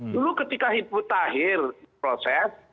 dulu ketika hitbut akhir proses